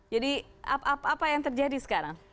jadi apa yang terjadi sekarang